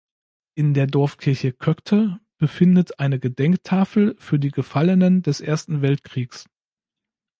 In der Dorfkirche Köckte befindet eine Gedenktafel für die Gefallenen des Ersten Weltkriegs.